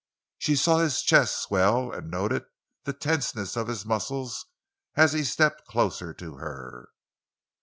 She saw his chest swell and noted the tenseness of his muscles as he stepped closer to her.